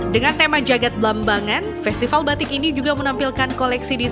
dengan tema jagad belambangan festival batik ini juga menampilkan koleksi desain